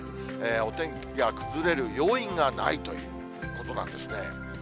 お天気が崩れる要因がないということなんですね。